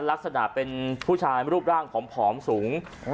ลักษณะเป็นผู้ชายรูปร่างผอมสูง